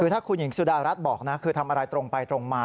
ถ้าคุณหญิงสุดารัฐบอกนะคือทำอะไรตรงไปตรงมา